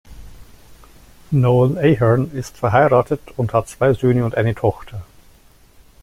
Noel Ahern ist verheiratet und hat zwei Söhne und eine Tochter.